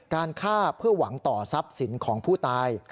การฆ่าเพื่อหวังต่อทรัพย์สินของผู้ตาย